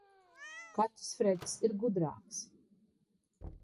Kaķis Fredis ir gudrāks.